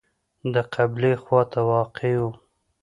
د قبلې خواته واقع و.